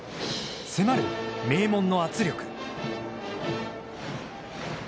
迫る名門の圧力。